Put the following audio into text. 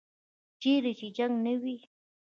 چیرې چې جنګ نه وي.